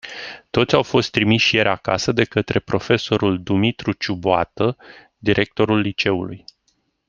Toți au fost trimiși ieri acasă de către profesorul Dumitru Ciuboată, directorul liceului.